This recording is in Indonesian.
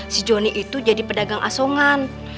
si joni itu jadi pedagang asongan